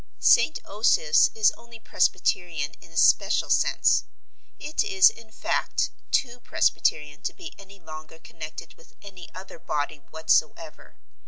St. Osoph's is only presbyterian in a special sense. It is, in fact, too presbyterian to be any longer connected with any other body whatsoever.